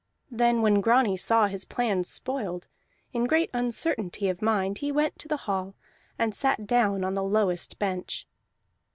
Then when Grani saw his plan spoiled, in great uncertainty of mind he went to the hall and sat down on the lowest bench.